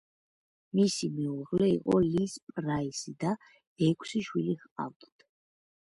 მისი მეუღლე იყო ლის პრაისი და ექვსი შვილი ჰყავდათ.